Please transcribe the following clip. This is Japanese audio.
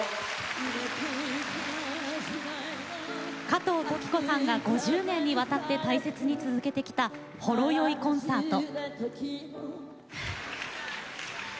加藤登紀子さんが５０年にわたって大切に続けてきた「ほろ酔いコンサート」。